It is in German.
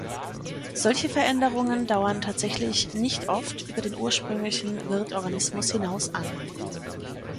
Solche Veränderungen dauern tatsächlich nicht oft über den ursprünglichen Wirtorganismus hinaus an.